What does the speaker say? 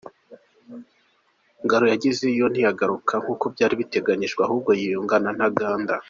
Ngaruye agezeyo ntiyagaruka nkuko byari biteganijwe ahubwo yiyunga na Ntaganda.